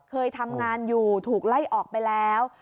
เคยทำงานอยู่ถูกไล่ออกไปแล้ว